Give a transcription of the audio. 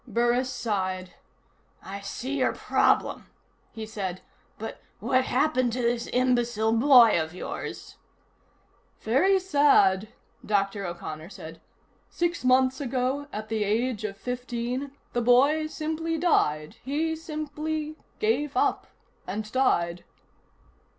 Burris sighed. "I see your problem," he said. "But what happened to this imbecile boy of yours?" "Very sad," Dr. O'Connor said. "Six months ago, at the age of fifteen, the boy simply died. He simply gave up, and died."